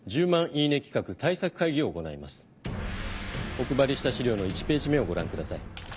お配りした資料の１ページ目をご覧ください。